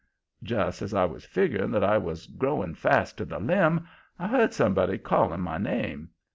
"Just as I was figgering that I was growing fast to the limb, I heard somebody calling my name.